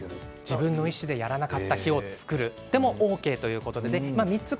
自分の意思でやらなかった日を作るでもＯＫということです。